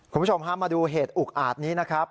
คุณผู้ชมฮะมาดูเหตุอุกอาจนี้นะครับ